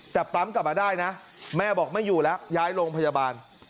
แต่ปั๊มกลับมาได้นะแม่บอกไม่อยู่แล้วย้ายโรงพยาบาล